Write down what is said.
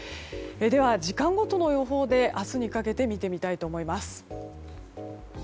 では、時間ごとの予報で明日にかけて見てみたいと思います。